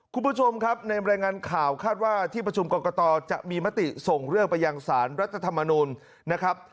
คุณผู้ชมครับในรายงานข่าวคาดว่าที่ประชุมกรกตจะมีมติส่งเรื่องไปยังสารรัฐธรรมนูลนะครับ